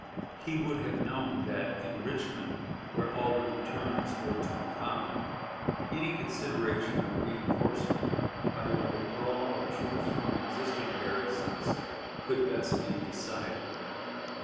He would have known that in Richmond, where all the returns were to be found, any consideration of reënforcement, by the withdrawal of troops from existing garrisons, could best be decided.